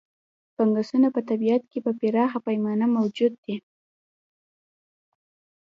فنګسونه په طبیعت کې په پراخه پیمانه موجود دي.